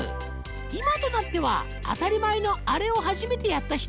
今となっては当たり前のあれを初めてやった人。